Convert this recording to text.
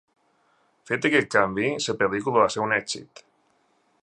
Fet aquest canvi, la pel·lícula va ser un èxit.